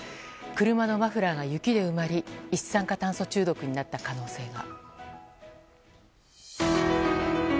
車のマフラーが雪で埋まり一酸化炭素中毒になった可能性が。